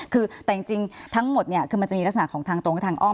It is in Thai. คือแต่จริงทั้งหมดเนี่ยคือมันจะมีลักษณะของทางตรงและทางอ้อม